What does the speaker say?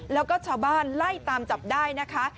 แล้วก็ชาวบ้านไล่ตามจับได้นะคะ